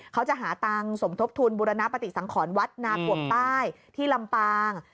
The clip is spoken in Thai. เขาจะหาตังค์สมทบทุนบุรณปฏิสังขรวัดนากวมใต้ที่ลำปาง